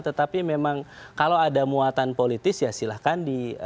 tetapi memang kalau ada muatan politis ya silahkan di